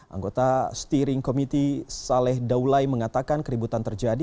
anggota steering komiti saleh daulay mengatakan keributan terjadi